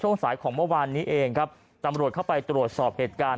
สายของเมื่อวานนี้เองครับตำรวจเข้าไปตรวจสอบเหตุการณ์